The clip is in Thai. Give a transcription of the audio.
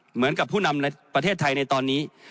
เหมือนกับผู้นำในประเทศไทยในตอนนี้